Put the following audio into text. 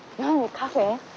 カフェ？